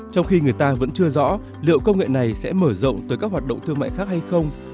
trong khi người ta vẫn chưa rõ liệu công nghệ này sẽ mở rộng tới các hoạt động thương mại khác hay không